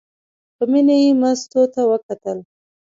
په مینه یې مستو ته وکتل.